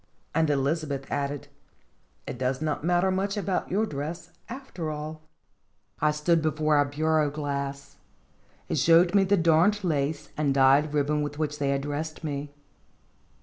And Elizabeth added : "It does not matter much about your dress, after all !" I stood before our bureau glass. It showed me the darned lace and dyed ribbon with which they had dressed me.